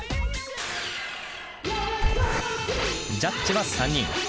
ジャッジは３人。